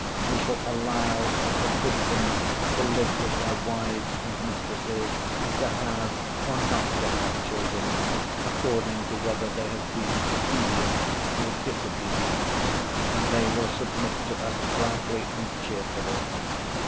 We shall allow or forbid them to live with their wives and mistresses, to have or not to have children—according to whether they have been obedient or disobedient—and they will submit to us gladly and cheerfully.